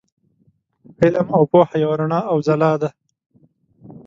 علم او پوهه یوه رڼا او ځلا ده.